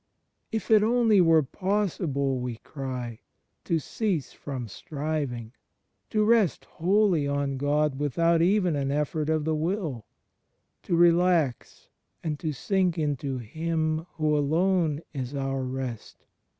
If it only were possible, we cry, to cease from striving, to rest wholly on God without even an effort of the will, to relax and to sink into Him who alone is our Rest.